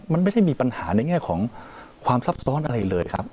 มันไม่ได้มีปัญหาในแง่ของความซับซ้อนอะไรเลยครับ